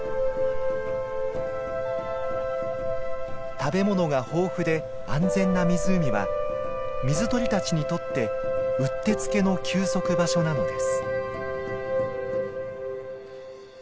食べ物が豊富で安全な湖は水鳥たちにとってうってつけの休息場所なのです。